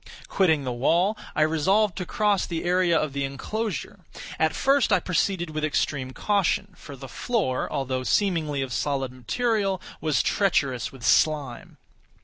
Quitting the wall, I resolved to cross the area of the enclosure. At first I proceeded with extreme caution, for the floor, although seemingly of solid material, was treacherous with slime.